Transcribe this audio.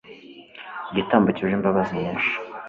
igitambo cyuje imbabazi nyinshi